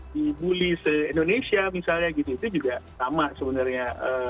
dibully se indonesia misalnya gitu itu juga sama sebenarnya